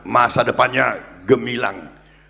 masa depannya gemilang